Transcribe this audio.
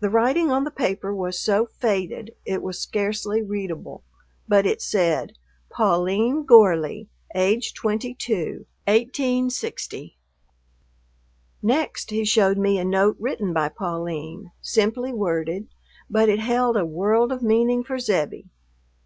The writing on the paper was so faded it was scarcely readable, but it said: "Pauline Gorley, age 22, 1860." Next he showed me a note written by Pauline, simply worded, but it held a world of meaning for Zebbie.